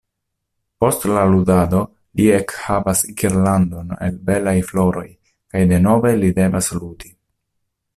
Post la ludado li ekhavas girlandon el belaj floroj kaj denove li devas ludi.